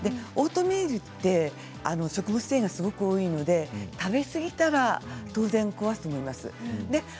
オートミールって食物繊維がすごく多いので食べ過ぎたら当然おなかを壊すと思います。